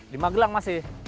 di magelang masih